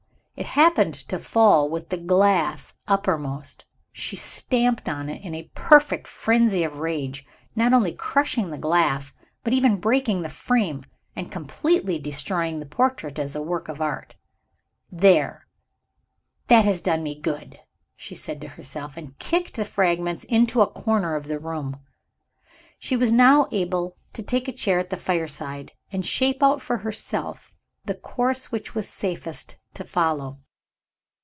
It happened to fall with the glass uppermost. She stamped on it, in a perfect frenzy of rage; not only crushing the glass, but even breaking the frame, and completely destroying the portrait as a work of art. "There! that has done me good," she said to herself and kicked the fragments into a corner of the room. She was now able to take a chair at the fireside, and shape out for herself the course which it was safest to follow.